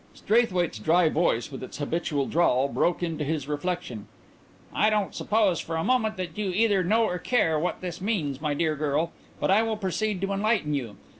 Straithwaite's dry voice, with its habitual drawl, broke into his reflection. "I don't suppose for a moment that you either know or care what this means, my dear girl, but I will proceed to enlighten you.